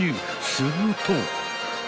［すると］